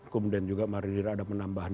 kemudian juga marinir ada penambahan